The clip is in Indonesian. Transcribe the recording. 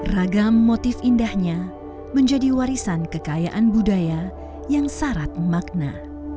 ragam motif indahnya menjadi warisan kekayaan budaya yang syarat makna